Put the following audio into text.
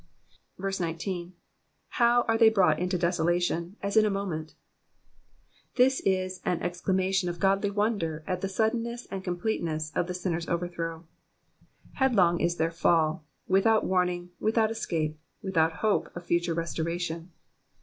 19. ^^How are they brought into desolation^ as in a moment/ This is an exclamation of godly wonder at the suddenness and completeness of the sinners' overthrow. Headlong is their fall ; without warning, without escape, without hope of future restoration